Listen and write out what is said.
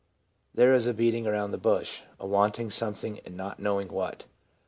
There is a beating around the bush, a wanting something and not knowing what.